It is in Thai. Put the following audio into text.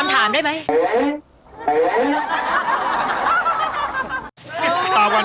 งั้นเปลี่ยนคำถามได้มั้ย